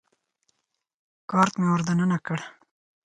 کارت مې ور دننه کړ.